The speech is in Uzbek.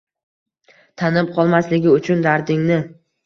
tanib qolmasligi uchun dardingni